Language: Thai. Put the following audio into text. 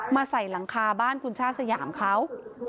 ใส่หลังคาบ้านคุณชาติสยามเขา